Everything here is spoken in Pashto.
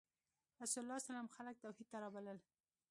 رسول الله ﷺ خلک توحید ته رابلل.